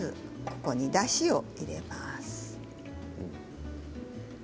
ここに、まずだしを入れます。